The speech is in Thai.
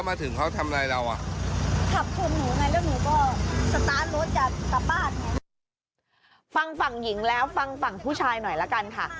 ฟังฝั่งหญิงแล้วฟังฝั่งผู้ชายหน่อยละกันค่ะ